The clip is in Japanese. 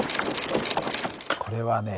これはね